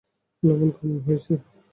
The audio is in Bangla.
লবণ কম হয়েছে।